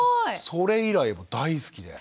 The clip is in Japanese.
それ以来大好きで。